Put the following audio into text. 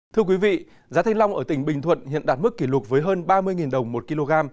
thưa quý vị giá thanh long ở tỉnh bình thuận hiện đạt mức kỷ lục với hơn ba mươi đồng một kg